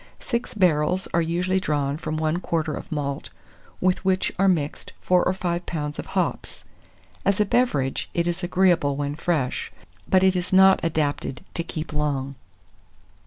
Six barrels are usually drawn from one quarter of malt, with which are mixed 4 or 5 lbs. of hops. As a beverage, it is agreeable when fresh; but it is not adapted to keep long.